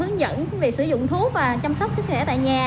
hướng dẫn việc sử dụng thuốc và chăm sóc sức khỏe tại nhà